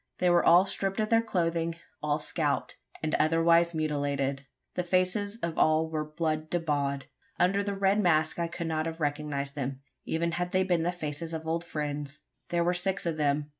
They were all stripped of their clothing all scalped, and otherwise mutilated. The faces of all were blood bedaubed. Under the red mask I could not have recognised them even had they been the faces of old friends! There were six of them.